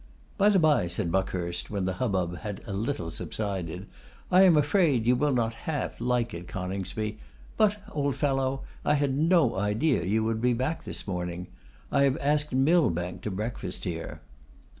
'By the bye,' said Buckhurst, when the hubbub had a little subsided, 'I am afraid you will not half like it, Coningsby; but, old fellow, I had no idea you would be back this morning; I have asked Millbank to breakfast here.